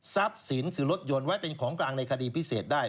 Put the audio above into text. สินคือรถยนต์ไว้เป็นของกลางในคดีพิเศษได้